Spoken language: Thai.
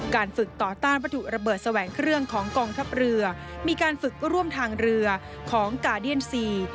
ฝึกต่อต้านวัตถุระเบิดแสวงเครื่องของกองทัพเรือมีการฝึกร่วมทางเรือของกาเดียนซี